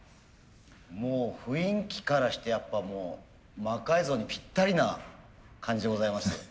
もう雰囲気からしてやっぱもう魔改造にぴったりな感じでございますね。